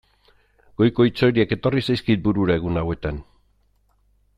Goiko hitz horiek etorri zaizkit burura egun hauetan.